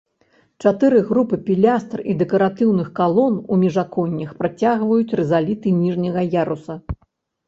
Чатыры групы пілястр і дэкаратыўных калон у міжаконнях працягваюць рызаліты ніжняга яруса.